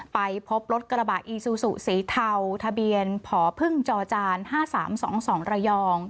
ไปพบรถกระบะอีซูซูสีเทาทะเบียนผอพึ่งจอจาน๕๓๒๒ระยอง